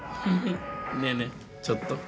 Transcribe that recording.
ねえねえちょっと。